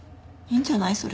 いいんじゃない？